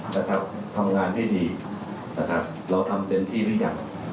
จะทำงานที่ดีเราทำเต็มที่หรือยัง